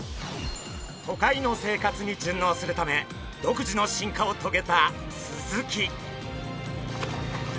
都会の生活に順応するため独自の進化をとげたスズキ。